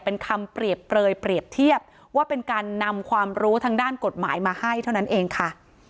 เป็นคำเปรียบเปลยเปรียบเทียบว่าเป็นการนำความรู้ทางด้านกฎหมายมาให้เท่านั้นเองค่ะ